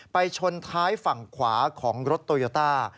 ชนท้ายฝั่งขวาของรถโตโยต้า